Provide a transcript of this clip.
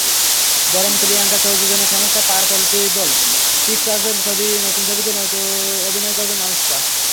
বরং প্রিয়াঙ্কার প্রযোজনা সংস্থা পার্পল পিবল পিকচার্সের নতুন ছবিতে অভিনয় করবেন আনুশকা।